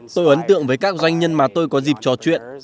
tôi ấn tượng với các doanh nhân mà tôi có dịp trò chuyện